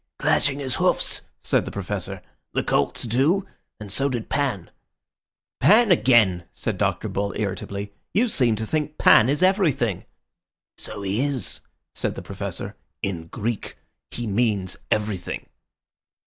"Clashing his hoofs," said the Professor. "The colts do, and so did Pan." "Pan again!" said Dr. Bull irritably. "You seem to think Pan is everything." "So he is," said the Professor, "in Greek. He means everything."